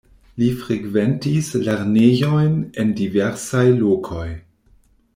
Li frekventis lernejojn en diversaj lokoj.